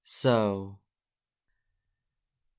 so !